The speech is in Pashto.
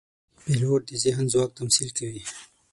پیلوټ د ذهن ځواک تمثیل کوي.